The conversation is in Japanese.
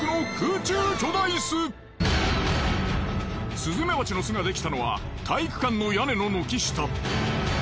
スズメバチの巣ができたのは体育館の屋根の軒下。